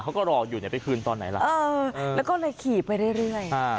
เขาก็รออยู่เนี่ยไปคืนตอนไหนล่ะเออแล้วก็เลยขี่ไปเรื่อย